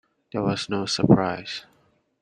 There was no surprise.